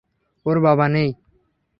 ওর বাবা নেই।